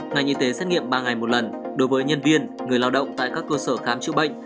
ngày y tế xét nghiệm ba ngày một lần đối với nhân viên người lao động tại các cơ sở khám chữa bệnh